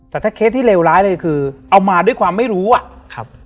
แต่ถ้าเคสที่เลวร้ายเลยคือเอามาด้วยความไม่รู้อ่ะครับ